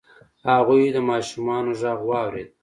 هغوی د ماشومانو غږ واورید.